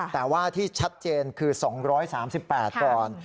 แต่ว่าที่ชัดเจนคือ๒๓๘ก่อน